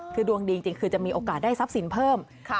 คือดวงดีจริงคือจะมีโอกาสได้ทรัพย์สินเพิ่ม